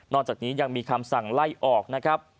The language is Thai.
จากนี้ยังมีคำสั่งไล่ออกนะครับ